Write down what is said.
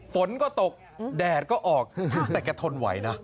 ฝนก็ตกแดดก็ออกแต่แกทนไหวนะ